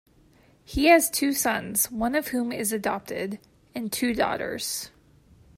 He has two sons, one of whom is adopted, and two daughters.